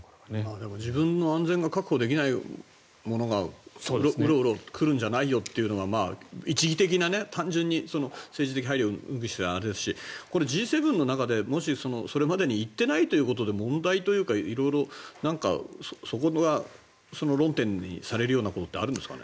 でも自分の安全が確保できないものがウロウロ来るんじゃないよというのが一義的な、単純に政治的配慮にしてはあれですしこれ、Ｇ７の中でもしそれまでに行ってないということで問題というか、色々そこが論点にされるようなことってあるんですか。